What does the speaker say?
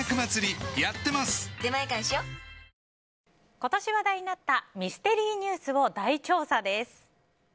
今年話題になったミステリーニュースを大調査です。